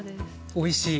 おいしい。